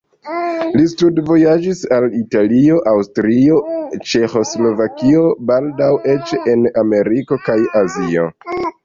Li studvojaĝis al Italio, Aŭstrio, Ĉeĥoslovakio, baldaŭ eĉ en Ameriko kaj Azio.